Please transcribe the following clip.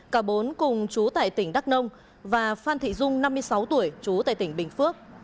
cả bốn cùng chú tại tỉnh đắk nông và phan thị dung năm mươi sáu tuổi trú tại tỉnh bình phước